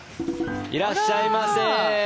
いらっしゃいませ。